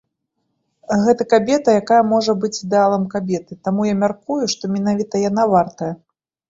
Гэта кабета, якая можа быць ідэалам кабеты, таму я мяркую, што менавіта яна вартая.